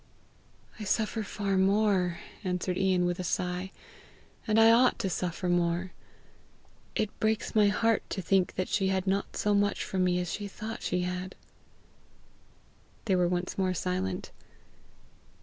"I suffer far more," answered Ian with a sigh; "and I ought to suffer more. It breaks my heart to think she had not so much from me as she thought she had." They were once more silent.